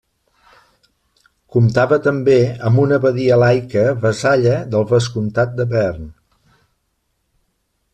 Comptava també amb una abadia laica vassalla del vescomtat de Bearn.